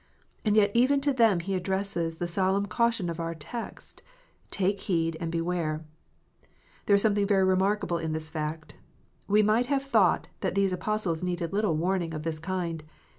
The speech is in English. And yet even to them He addresses the solemn caution of our text :" Take heed and beware." There is something very remarkable in this fact. We might have thought that these Apostles needed little warning of this kind.